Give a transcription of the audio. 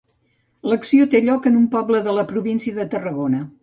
L'acció té lloc en un poble de la província de Tarragona.